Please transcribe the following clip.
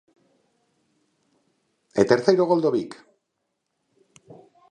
E terceiro gol do Vic.